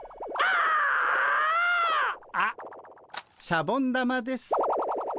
シャボン玉です。